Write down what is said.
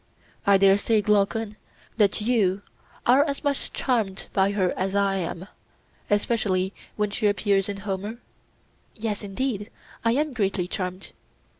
I dare say, Glaucon, that you are as much charmed by her as I am, especially when she appears in Homer? Yes, indeed, I am greatly charmed.